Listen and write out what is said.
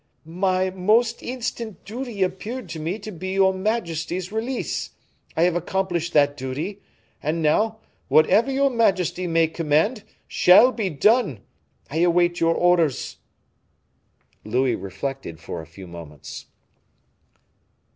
"My most instant duty appeared to me to be your majesty's release. I have accomplished that duty; and now, whatever your majesty may command, shall be done. I await your orders." Louis reflected for a few moments.